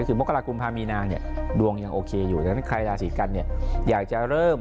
หมกรากุมามีนาดวงยังโฆษฐ์โอเคอยู่แต่ใครราศีกรรมเองอยากจะเริ่ม